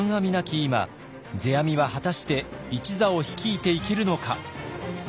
今世阿弥は果たして一座を率いていけるのか。